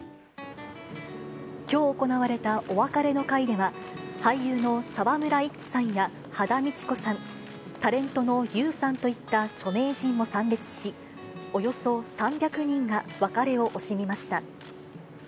きょう行われたお別れの会では、俳優の沢村一樹さんや羽田美智子さん、タレントのＹＯＵさんといった著名人も参列し、およそ３００人が別れを惜しみました。